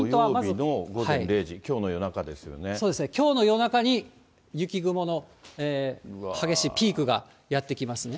土曜日の午前０時、そうですね、きょうの夜中に、雪雲の激しいピークがやってきますね。